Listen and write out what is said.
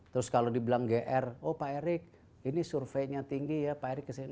terus kalau dibilang gr oh pak erik ini surveinya tinggi ya pak erick kesini